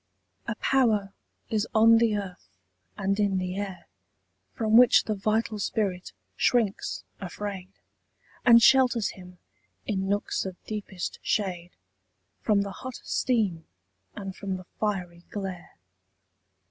A power is on the earth and in the air From which the vital spirit shrinks afraid, And shelters him, in nooks of deepest shade, From the hot steam and from the fiery glare.